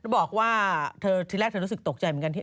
บอกว่าเธอทีแรกเธอรู้สึกตกใจเหมือนกัน